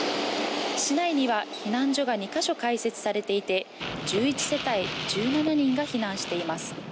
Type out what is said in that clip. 市内には避難所が２か所開設されていて１１世帯１７人が避難しています。